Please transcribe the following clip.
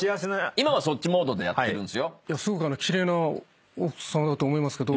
今はそっちモードでやってるんです。